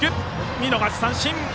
見逃し三振。